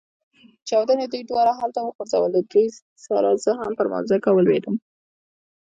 چاودنې دوی دواړه هلته وغورځول، له دوی سره زه هم پر مځکه ولوېدم.